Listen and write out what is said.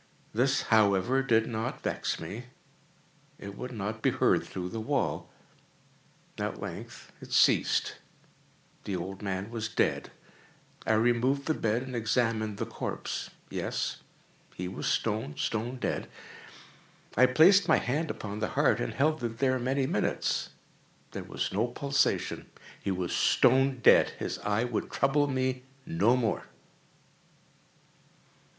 This, however, did not vex me; it would not be heard through the wall. At length it ceased. The old man was dead. I removed the bed and examined the corpse. Yes, he was stone, stone dead. I placed my hand upon the heart and held it there many minutes. There was no pulsation. He was stone dead. His eye would trouble me no more.